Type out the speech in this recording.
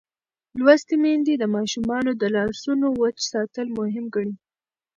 لوستې میندې د ماشومانو د لاسونو وچ ساتل مهم ګڼي.